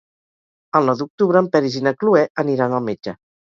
El nou d'octubre en Peris i na Cloè aniran al metge.